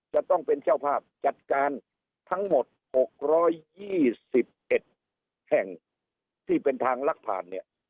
จะต้องเป็นเจ้าภาพจัดการทั้งหมด๖๒๑แห่งที่เป็นทางลักผ่านเนี่ย